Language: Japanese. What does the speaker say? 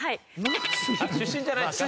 出身じゃないんですか？